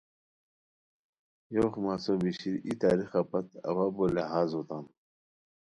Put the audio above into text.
یوغ مسو بیشیر ای تاریخہ پت اوا بو لہاز ہوتام